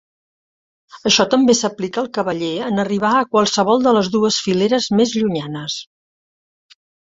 Això també s'aplica al cavaller en arribar a qualsevol de les dues fileres més llunyanes.